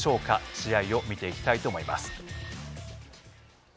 試合を見ていきたいと思います。